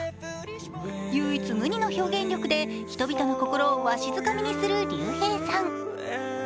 唯一無二の表現力で人々の心をわしづかみにするＲＹＵＨＥＩさん。